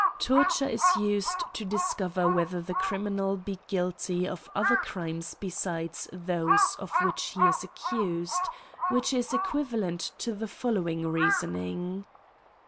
Torture is used to discover whether the criminal be guilty of other crimes besides those of which he is accused, which is equivalent to the following reasoning.